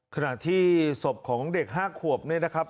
ขณะที่ศพของเด็ก๕ขวบเนี่ยนะครับ